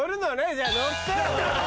じゃあ乗って！